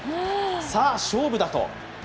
さあ勝負だと。